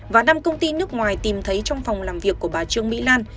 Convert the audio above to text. và năm công ty nước ngoài tìm thấy trong phòng làm việc của bà trương mỹ lan